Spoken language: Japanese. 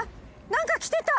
何かきてた。